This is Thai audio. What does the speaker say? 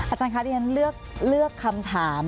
อาจารย์คะเดี๋ยวเลือกคำถาม